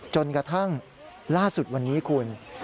จนกระทั่งล่าสุดวันนี้คุณ